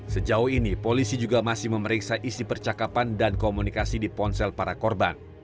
sejauh ini polisi juga masih memeriksa isi percakapan dan komunikasi di ponsel para korban